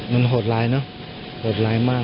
มันโหดร้ายเนอะโหดร้ายมาก